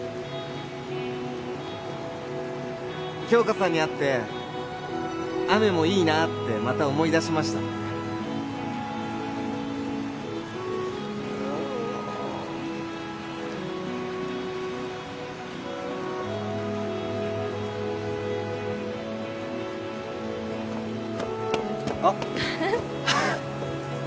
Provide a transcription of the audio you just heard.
杏花さんに会って雨もいいなってまた思い出しましたあっ